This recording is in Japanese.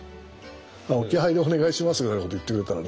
「置き配でお願いします」ぐらいのこと言ってくれたらね